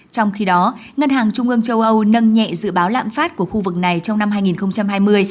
trong khi đó ngân hàng trung ương châu âu nâng nhẹ dự báo lạm phát của khu vực này trong năm hai nghìn hai mươi